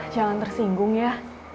jangan tersinggung ya